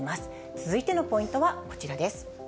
続いてのポイントはこちらです。